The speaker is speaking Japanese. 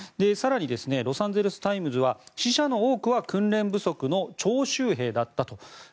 更にロサンゼルス・タイムズは死者の多くは訓練不足の徴集兵だったと。